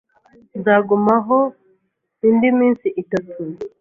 Nzagumaho indi minsi itatu.